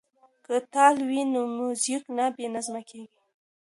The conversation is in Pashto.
که تال وي نو موزیک نه بې نظمه کیږي.